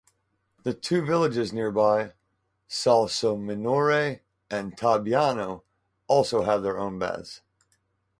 The two villages nearby, Salsominore and Tabiano, have also their own baths.